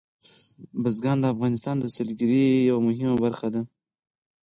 بزګان د افغانستان د سیلګرۍ یوه مهمه برخه ده.